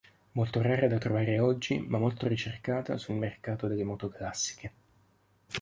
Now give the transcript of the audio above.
Molto rara da trovare oggi, ma molto ricercata sul mercato delle moto classiche.